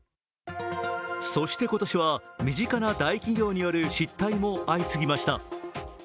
そして今年は身近な大企業による失態も相次ぎました。